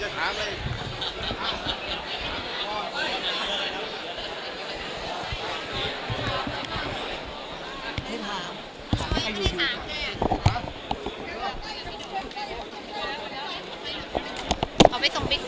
ออกไปส่งปริ้งป้อมนะ